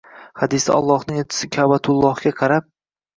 Hadisda Allohning elchisi Ka’batullohga qarab: